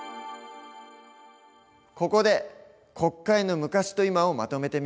ここで国会の昔と今をまとめてみよう。